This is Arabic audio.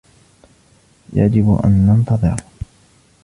يجب أن ننتظر.